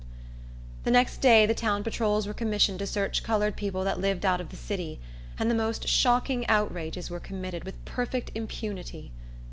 The next day, the town patrols were commissioned to search colored people that lived out of the city; and the most shocking outrages were committed with perfect impunity.